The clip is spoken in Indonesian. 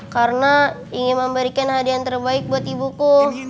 karena ingin memberikan hadiah terbaik buat ibuku